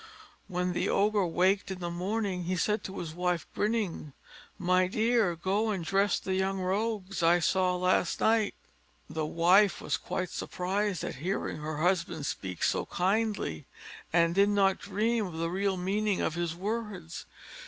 When the Ogre waked in the morning, he said to his wife, grinning, "My dear, go and dress the young rogues I saw last night." The wife was quite surprised at hearing her husband speak so kindly, and did not dream of the real meaning of his words.